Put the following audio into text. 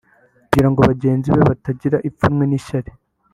kugira ngo bagenzi be batagira ipfunwe n’ishyari